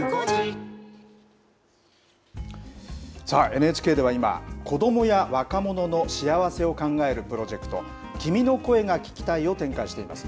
ＮＨＫでは今、子どもや若者の幸せを考えるプロジェクト、君の声が聴きたいを展開しています。